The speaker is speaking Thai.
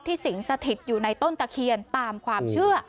สิงสถิตอยู่ในต้นตะเคียนตามความเชื่อ